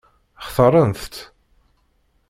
Xtaṛent-tt?